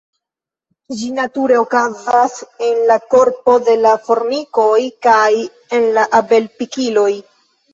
Ĝi nature okazas en la korpo de la formikoj kaj en la abel-pikiloj.